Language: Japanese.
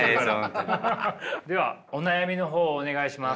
ではお悩みの方をお願いします。